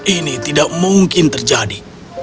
ini tidak mungkin terjadi